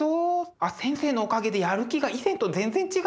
あっ先生のおかげでやる気が以前と全然違いますから。